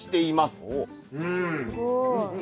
すごい。